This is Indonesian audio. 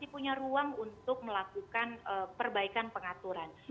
punya ruang untuk melakukan perbaikan pengaturan